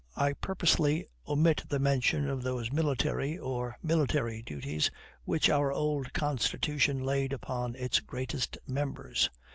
I purposely omit the mention of those military or military duties which our old constitution laid upon its greatest members.